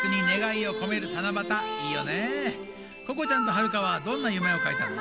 ここちゃんとはるかはどんな夢をかいたの？